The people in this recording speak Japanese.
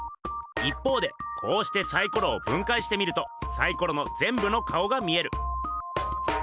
一方でこうしてサイコロをぶんかいしてみるとサイコロのぜんぶの顔が見える。